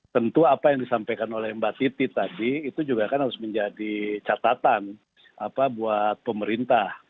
tentu apa yang disampaikan oleh mbak titi tadi itu juga kan harus menjadi catatan buat pemerintah